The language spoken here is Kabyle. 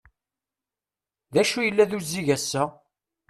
D acu yella d uzzig ass-a?